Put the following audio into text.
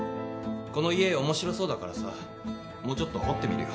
この家面白そうだからさもうちょっと掘ってみるよ。